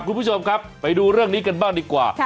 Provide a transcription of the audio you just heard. คุณผู้ชมครับไปดูเรื่องนี้กันบ้างดีกว่า